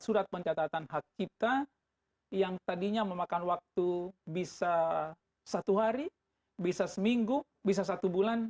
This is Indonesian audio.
surat pencatatan hak cipta yang tadinya memakan waktu bisa satu hari bisa seminggu bisa satu bulan